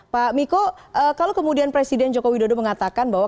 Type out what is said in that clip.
pak miko kalau kemudian presiden jokowi dodo mengatakan bahwa